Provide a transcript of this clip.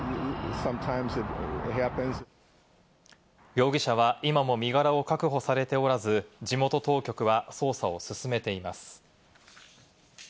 容疑者は今も身柄を確保されておらず、地元当局は捜査を進めています。